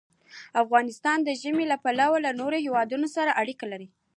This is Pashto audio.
افغانستان د ژمی له پلوه له نورو هېوادونو سره اړیکې لري.